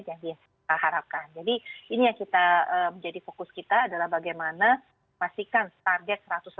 jadi ini yang menjadi fokus kita adalah bagaimana memastikan target satu ratus delapan puluh satu lima